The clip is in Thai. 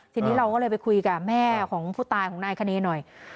ทีนี้เราก็เลยไปคุยกับแม่ของผู้ตายของนายคเนหน่อย